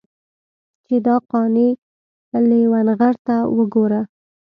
چې دا قانع لېونغرته وګوره.